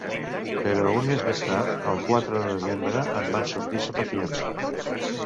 Però un mes més tard, el quatre de desembre, en van sortir sota fiança.